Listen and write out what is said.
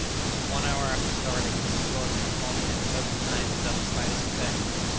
In one hour after starting Mrs. Weldon had called to him a dozen times without the slightest effect.